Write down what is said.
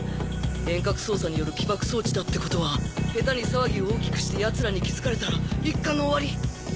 遠隔操作による起爆装置だってことは下手に騒ぎを大きくして奴らに気付かれたら一巻の終わり